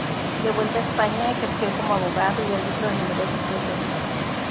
De vuelta a España, ejerció como abogado y árbitro en numerosos procesos.